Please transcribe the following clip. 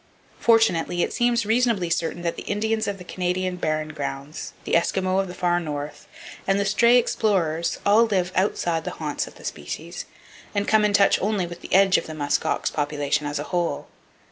Fortunately, it seems reasonably certain that the Indians of the Canadian Barren Grounds, the Eskimo of the far north, and the stray explorers all live outside the haunts of the species, and come in touch only with the edge of the musk ox population as a whole.